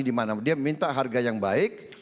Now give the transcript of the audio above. dimana dia minta harga yang baik